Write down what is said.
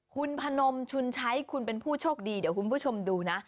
คุณพนมชุนชัยคุณเป็นผู้โชคดีเดี๋ยวคุณผู้ชมดูนะ